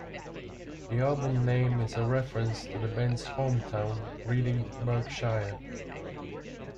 The album name is a reference to the band's hometown, Reading, Berkshire.